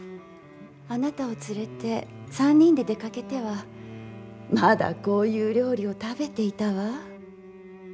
あなたを連れて３人で出かけてはまだこういう料理を食べていたわ。